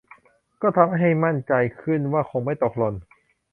ก็ทำให้มั่นใจขึ้นว่าคงไม่ตกหล่น